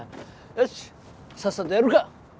よしさっさとやるか！